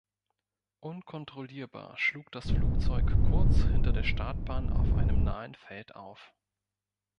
Unkontrollierbar schlug das Flugzeug kurz hinter der Startbahn auf einem nahen Feld auf.